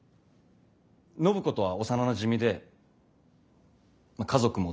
暢子とは幼なじみで家族も同然。